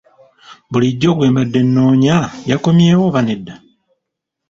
Bulijjo gwe mbadde noonya yakomyewo oba nedda?